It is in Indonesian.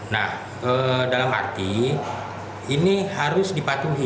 nah dalam arti ini harus dipatuhi